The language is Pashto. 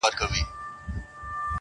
د وطن گل بوټي و نه مري له تندې_